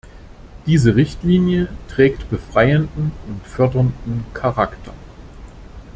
Diese Richtlinie trägt befreienden und fördernden Charakter.